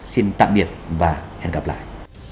xin tạm biệt và hẹn gặp lại